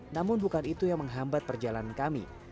namun bukan itu yang menghambat perjalanan kami